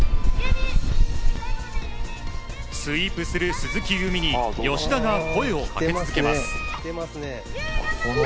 スイープする鈴木夕湖に吉田が声をかけ続けます。